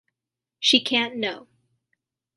She can't know.